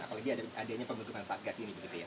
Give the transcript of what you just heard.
apalagi adanya pembentukan satgas ini